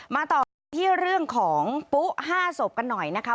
มาต่อกันที่เรื่องของปุ๊๕ศพกันหน่อยนะคะ